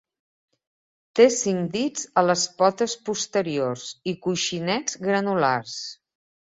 Té cinc dits a les potes posteriors i coixinets granulars.